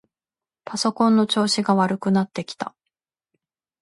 パソコンの調子が悪くなってきた。